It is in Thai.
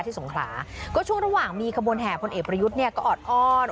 สงขลาก็ช่วงระหว่างมีขบวนแห่พลเอกประยุทธ์เนี่ยก็ออดอ้อน